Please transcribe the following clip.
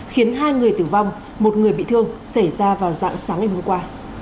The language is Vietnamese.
khiến hai người tử vong một người bị thương xảy ra vào dạng sáng ngày hôm qua